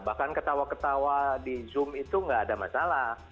bahkan ketawa ketawa di zoom itu nggak ada masalah